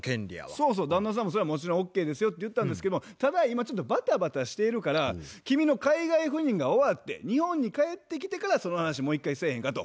そうそう旦那さんもそれはもちろんＯＫですよって言ったんですけどもただ今ちょっとバタバタしているから君の海外赴任が終わって日本に帰ってきてからその話もう一回せえへんかと。